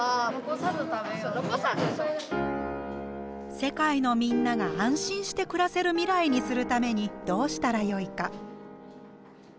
世界のみんなが安心して暮らせる未来にするためにどうしたらよいか。